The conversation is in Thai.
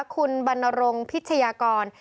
คุณบรรณรงค์พิชยากร